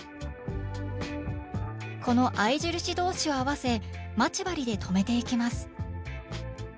この合い印同士を合わせ待ち針で留めていきます